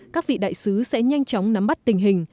các vị đại sứ sẽ nhanh chóng nắm bắt tình hình